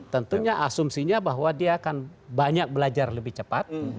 tentunya asumsinya bahwa dia akan banyak belajar lebih cepat